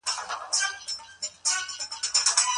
بد خویه انسان په ټولنه کې ځای نه لري.